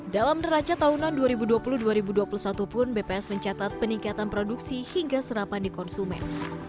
dalam neraca tahunan dua ribu dua puluh dua ribu dua puluh satu pun bps mencatat peningkatan produksi hingga serapan di konsumen